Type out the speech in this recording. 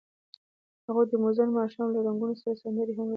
هغوی د موزون ماښام له رنګونو سره سندرې هم ویلې.